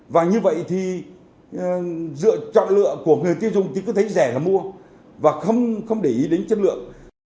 và như vậy thì dựa chọn lựa của người tiêu dùng thì cứ thấy rẻ là mua và không để ý đến chất lượng